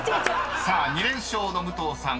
［さあ２連勝の武藤さん